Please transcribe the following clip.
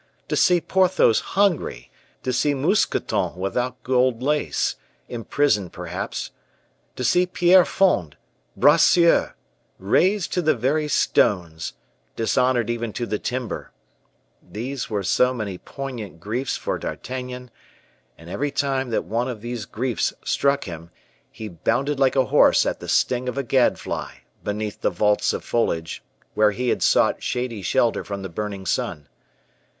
To see Porthos hungry, to see Mousqueton without gold lace, imprisoned, perhaps; to see Pierrefonds, Bracieux, razed to the very stones, dishonored even to the timber, these were so many poignant griefs for D'Artagnan, and every time that one of these griefs struck him, he bounded like a horse at the sting of a gadfly beneath the vaults of foliage where he has sought shady shelter from the burning sun.